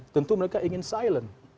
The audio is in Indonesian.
tentu mereka ingin silent